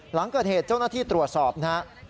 หลังเกิดเหตุเจ้าหน้าที่ตรวจสอบนะครับ